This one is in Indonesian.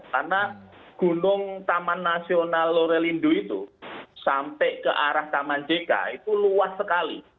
karena gunung taman nasional lorelindo itu sampai ke arah taman deka itu luas sekali